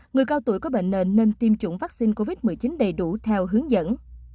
người cao tuổi có bệnh nền nên tiêm chủng vaccine covid một mươi chín đầy đủ theo hướng dẫn